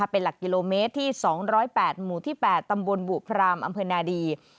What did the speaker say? เป็นหลักกิโลเมตรที่๒๐๘หมู่ที่๘ตำบลบุพรามอำเภอนาดี